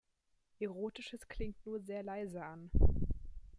Erotisches klingt nur sehr leise an.